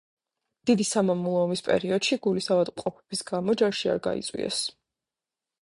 დიდი სამამულო ომის პერიოდში გულის ავადმყოფობის გამო ჯარში არ გაიწვიეს.